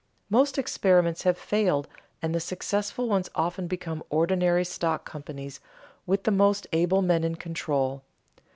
Most experiments have failed and the successful ones often become ordinary stock companies with the most able men in control.